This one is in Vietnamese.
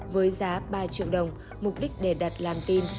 với giá ba triệu đồng mục đích để đặt làm tin